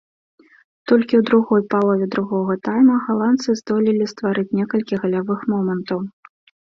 Толькі ў другой палове другога тайма галандцы здолелі стварыць некалькі галявых момантаў.